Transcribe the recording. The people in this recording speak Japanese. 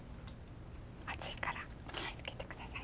熱いから気を付けて下さい。